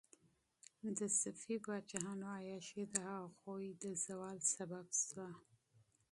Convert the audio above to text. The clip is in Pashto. د صفوي پاچاهانو عیاشي د هغوی د زوال سبب شوه.